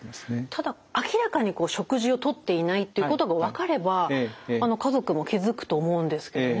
ただ明らかに食事をとっていないっていうことが分かれば家族も気付くと思うんですけどね。